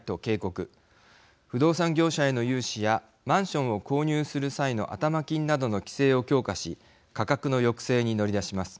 不動産業者への融資やマンションを購入する際の頭金などの規制を強化し価格の抑制に乗り出します。